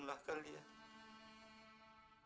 cuma kalian yang bisa menjaga ibu